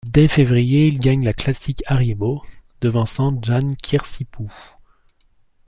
Dès février, il gagne la Classic Haribo, devançant Jaan Kirsipuu.